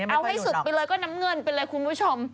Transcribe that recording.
เอาให้สุดไปเลยก็น้ำเงินไปเลยคุณผู้ชม